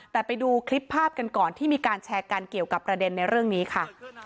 แต่ไปดูคลิปภาพกันก่อนที่มีการแชร์กันเกี่ยวกับประเด็นในเรื่องนี้ค่ะ